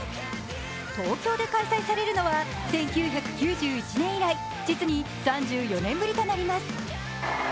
東京で開催されるのは１９９１年以来実に３４年ぶりとなります。